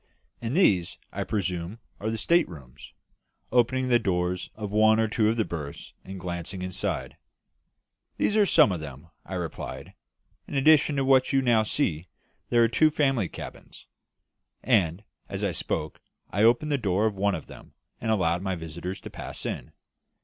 "And these, I presume, are the state rooms," opening the doors of one or two of the berths and glancing inside. "These are some of them," I replied. "In addition to what you now see, there are two family cabins." And, as I spoke, I opened the door of one of them, and allowed my visitors to pass in.